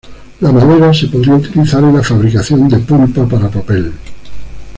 La madera se podría utilizar en la fabricación de pulpa para papel.